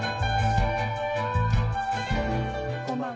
こんばんは。